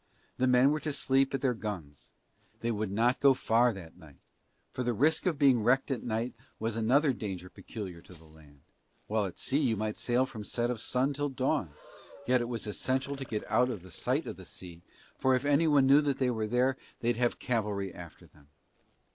The men were to sleep at their guns. They would not go far that night; for the risk of being wrecked at night was another danger peculiar to the land, while at sea you might sail from set of sun till dawn: yet it was essential to get out of sight of the sea for if anyone knew they were there they'd have cavalry after them.